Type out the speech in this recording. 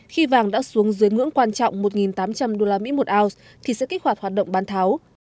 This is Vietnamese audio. khi vàng đã xuống dưới ngưỡng quan trọng một tám trăm linh usd một ounce thì sẽ kích hoạt hoạt động bán tháo